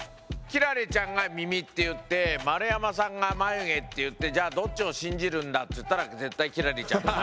輝星ちゃんが耳って言って丸山さんが眉毛って言ってじゃあどっちを信じるんだって言ったら絶対輝星ちゃん。